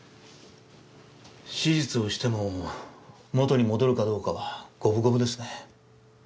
手術をしても、元に戻るかどうかは五分五分ですね。